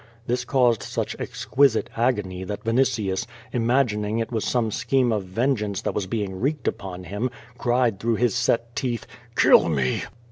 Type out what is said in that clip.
This caused such exquisite agony that Vinitius, imagining it was some scheme of vengeance that was being wreaked upon him, cried through his set teeth: "Kill me!''